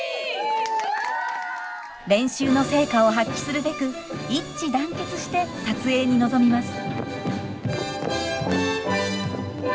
練習の成果を発揮するべく一致団結して撮影に臨みます。